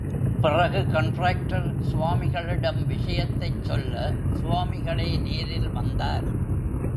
பிறகு கண்ட்ராக்டர் சுவாமிகளிடம் விஷயத்தைச் சொல்ல, சுவாமிகளே நேரில் வந்தார்.